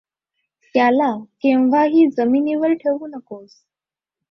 त्याला केव्हाही जमिनीवर ठेऊ नकोस.